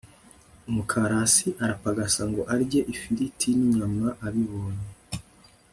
umukarasi arapagasa ngo arye ifiriti n'inyama abibone